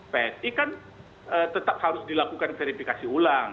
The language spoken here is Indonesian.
psi kan tetap harus dilakukan verifikasi ulang